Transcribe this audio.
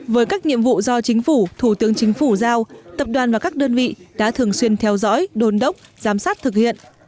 với các nhiệm vụ do chính phủ thủ tướng chính phủ giao tập đoàn và các đơn vị đã thường xuyên theo dõi đồn đốc giám sát thực hiện